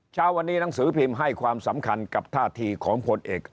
เช้าวันนี้หนังสือพิมพ์ให้ความสำคัญกับท่าทีของผลเอก